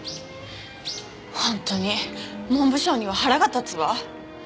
本当に文部省には腹が立つわ。